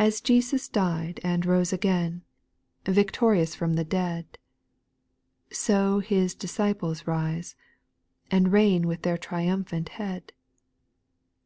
8. As Jesus died, and rose again, Victorious from the dead. So His disciples rise, and reign With their triumphant Head.